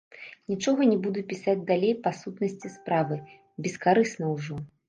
Нічога не буду пісаць далей па сутнасці справы, бескарысна ўжо.